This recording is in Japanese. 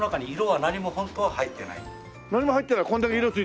何も入ってない？